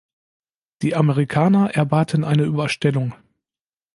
Die Amerikaner erbaten eine Überstellung.